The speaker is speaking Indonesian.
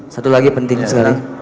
satu lagi penting sekali